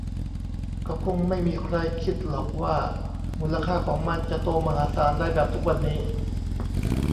ก็คงไม่มีใครคิดหรอกว่ามูลค่าของมันจะโตมหาศาลได้แบบทุกวันนี้